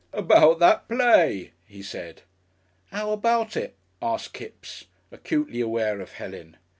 "About that play," he said. "'Ow about it?" asked Kipps, acutely aware of Helen.